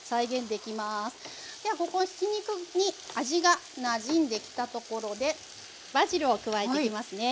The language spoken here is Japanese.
ではひき肉に味がなじんできたところでバジルを加えていきますね。